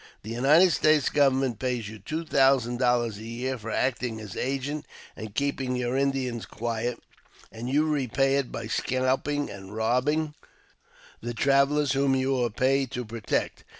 The United States Government pays you two thousand dollars a year for acting as agent, and keeping your Indians quiet, and you repay it by scalping and robbing the travellers whom you are paid to' protect.